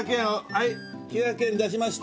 はい９００円出しました。